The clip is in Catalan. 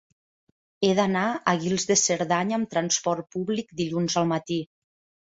He d'anar a Guils de Cerdanya amb trasport públic dilluns al matí.